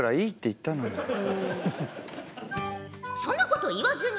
そんなこと言わずに！